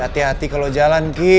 hati hati kalau jalan ki